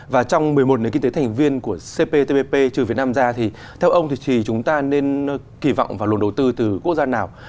và trong một mươi một nền kinh tế thành viên của cptpp trừ việt nam ra thì theo ông thì chúng ta nên kỳ vọng vào luồng đầu tư từ quốc gia nào